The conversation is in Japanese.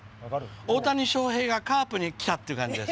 大谷翔平がカープにきた！っていう感じです。